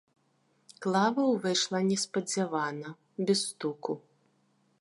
Клава ўвайшла неспадзявана, без стуку.